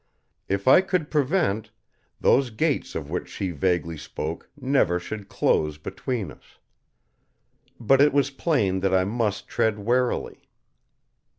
If I could prevent, those gates of which she vaguely spoke never should close between us. But it was plain that I must tread warily.